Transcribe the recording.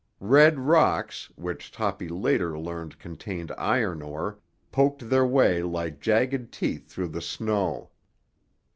Red rocks, which Toppy later learned contained iron ore, poked their way like jagged teeth through the snow.